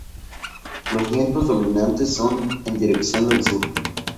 Los vientos dominantes son en dirección del sur.